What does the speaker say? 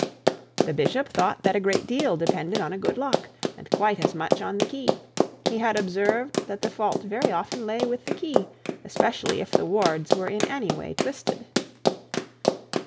The bishop thought that a great deal depended on a good lock, and quite as much on the key. He had observed that the fault very often lay with the key, especially if the wards were in any way twisted.